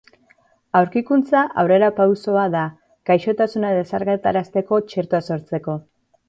Aurkikuntza aurrerapausoa da gaixotasuna desagerrarazteko txertoa sortzeko.